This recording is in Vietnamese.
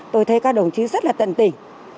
tôi thấy các đồng chí rất là tận tình